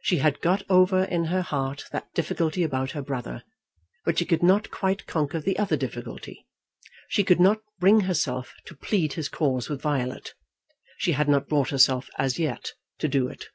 She had got over in her heart that difficulty about her brother, but she could not quite conquer the other difficulty. She could not bring herself to plead his cause with Violet. She had not brought herself as yet to do it.